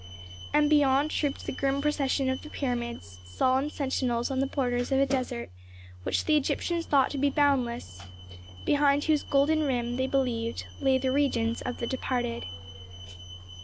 And beyond trooped the grim procession of the pyramids, solemn sentinels on the borders of a desert which the Egyptians thought to be boundless, behind whose golden rim, they believed, lay the regions of the departed.